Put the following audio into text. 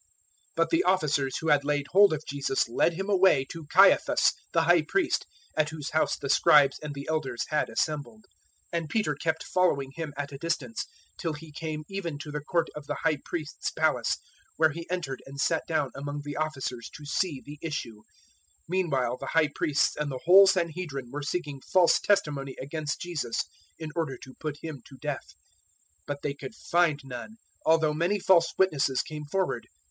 026:057 But the officers who had laid hold of Jesus led Him away to Caiaphas the High Priest, at whose house the Scribes and the Elders had assembled. 026:058 And Peter kept following Him at a distance, till he came even to the court of the High Priest's palace, where he entered and sat down among the officers to see the issue. 026:059 Meanwhile the High Priests and the whole Sanhedrin were seeking false testimony against Jesus in order to put Him to death; 026:060 but they could find none, although many false witnesses came forward.